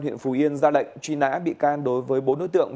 huyện phù yên ra lệnh truy nã bị can đối với bốn đối tượng